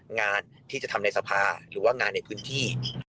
งานที่จะทำในสภาหรือว่างานในพื้นที่